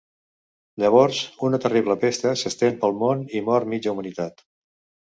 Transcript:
Llavors, una terrible pesta s'estén pel món i mor mitja Humanitat.